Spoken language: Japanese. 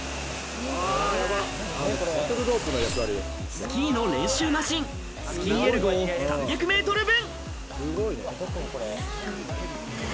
スキーの練習マシン、スキーエルゴ３００メートル分。